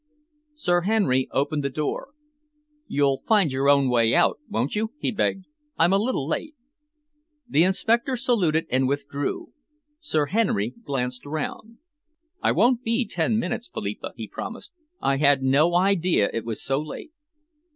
Sir Henry opened the door. "You'll find your own way out, won't you?" he begged. "I'm a little late." The inspector saluted and withdrew. Sir Henry glanced round. "I won't be ten minutes, Philippa," he promised. "I had no idea it was so late."